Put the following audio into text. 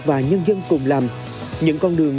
và nhân dân cùng làm những con đường